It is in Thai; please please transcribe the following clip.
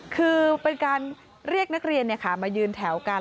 คือเป็นการเรียกนักเรียนมายืนแถวกัน